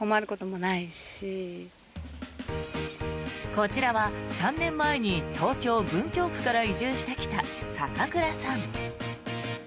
こちらは３年前に東京・文京区から移住してきた坂倉さん。